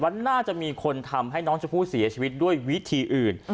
น่าจะมีคนทำให้น้องชมพู่เสียชีวิตด้วยวิธีอื่น